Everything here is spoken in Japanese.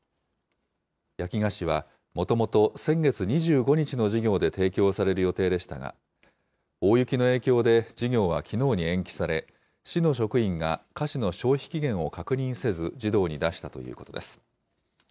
焼き菓子は、もともと先月２５日の授業で提供される予定でしたが、大雪の影響で授業はきのうに延期され、市の職員が菓子の消費期限を確認せず、児童に出したということです。